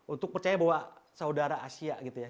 untuk percaya bahwa saudara asia gitu ya